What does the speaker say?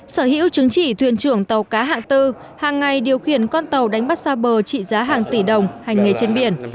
sở hữu chứng chỉ thuyền trưởng tàu cá hạ tư hàng ngày điều khiển con tàu đánh bắt xa bờ trị giá hàng tỷ đồng hành nghề trên biển